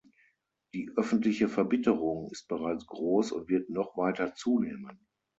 Die öffentliche Verbitterung ist bereits groß und wird noch weiter zunehmen.